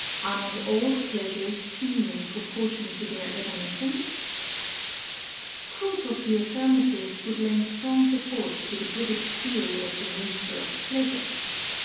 Are not all pleasures keen in pro portion to their evanescence ? Proof of the affirmative would lend strong support to the Buddhist theory of the nature of pleasure.